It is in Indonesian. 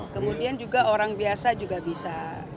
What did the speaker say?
kemudian juga orang biasa juga bisa